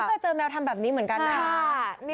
เคยเจอแมวทำแบบนี้เหมือนกันนะ